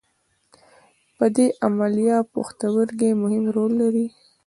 په دې عملیه پښتورګي مهم رول لري.